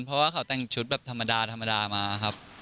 เพราะว่าเขาแต่งชุดแบบธรรมดาธรรมดามาครับ